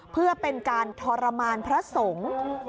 เพื่อเป็นการทรมานพระสงฆ์